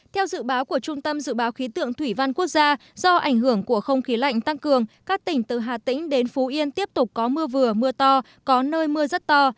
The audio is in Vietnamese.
theo dự báo của trung tâm dự báo khí tượng thủy văn quốc gia do ảnh hưởng của không khí lạnh tăng cường các tỉnh từ hà tĩnh đến phú yên tiếp tục có mưa vừa mưa to có nơi mưa rất to